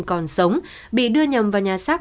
còn sống bị đưa nhầm vào nhà xác